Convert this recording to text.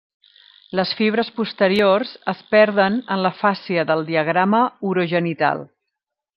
Les fibres posteriors es perden en la fàscia del diafragma urogenital.